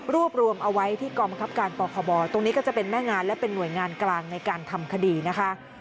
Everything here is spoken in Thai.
รวมเอาไว้ที่กองบังคับการปคบตรงนี้ก็จะเป็นแม่งานและเป็นหน่วยงานกลางในการทำคดีนะคะ